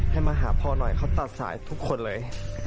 ให้มาหาพ่อหน่อยเขาตัดสายทุกคนเลย